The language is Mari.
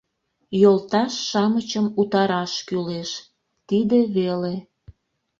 Йолташ-шамычым утараш кӱлеш, - тиде веле.